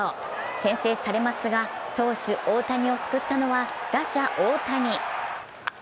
先制されますが、投手・大谷を救ったのは打者・大谷。